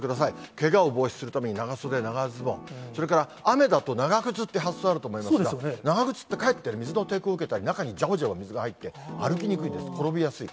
けがを防止するために長袖長ズボン、それから雨だと長靴って発想あると思うんですが、長靴ってかえって水の抵抗を受けたり、中にじゃばじゃば水が入って、歩きにくいです、転びやすい。